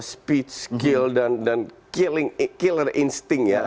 speed skill dan insting yang membunuh